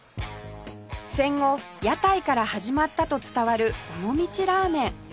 戦後屋台から始まったと伝わる尾道ラーメン